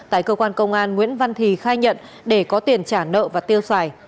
tại cơ quan công an nguyễn văn thì khai nhận để có tiền trả nợ và tiêu xài